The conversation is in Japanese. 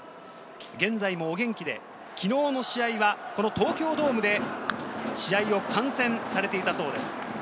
現在もお元気で、昨日の試合はこの東京ドームで試合を観戦されていたそうです。